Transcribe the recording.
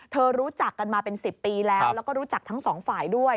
รู้จักกันมาเป็น๑๐ปีแล้วแล้วก็รู้จักทั้งสองฝ่ายด้วย